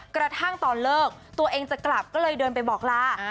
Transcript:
กระทั่งตอนเลิกตัวเองจะกลับก็เลยเดินไปบอกลา